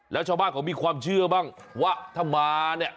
แล้วชาวบ้านเขามีความเชื่อบ้างว่าถ้ามาเนี่ย